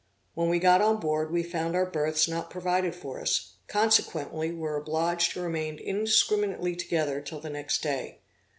When we got on board, we found our berths not provided for us, consequently were obliged to remain indiscriminately together till the next day.